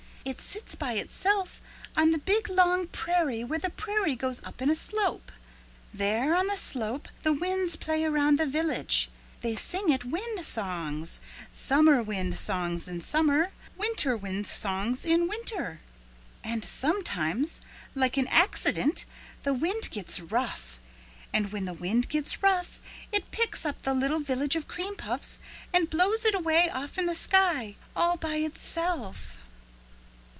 It sits all by itself on the big long prairie where the prairie goes up in a slope. There on the slope the winds play around the village. They sing it wind songs, summer wind songs in summer, winter wind songs in winter." "And sometimes like an accident, the wind gets rough. And when the wind gets rough it picks up the little Village of Cream Puffs and blows it away off in the sky all by itself."